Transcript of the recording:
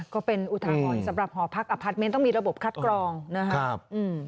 ก็เป็นอุทาหรณ์สำหรับหอพักอพาร์ทเมนต์ต้องมีระบบคัดกรองนะครับอืม